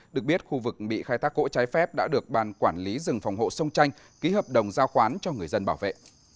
được biết khu vực bị khai thác gỗ trái phép đã được ban quản lý rừng phòng hộ sông tranh ký hợp đồng giao khoán cho người dân bảo vệ